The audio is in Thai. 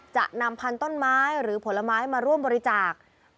จะนำพันธุต้นไม้หรือผลไม้มาร่วมบริจาค